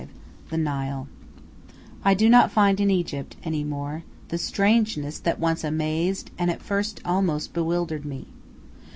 V THE NILE I do not find in Egypt any more the strangeness that once amazed, and at first almost bewildered me.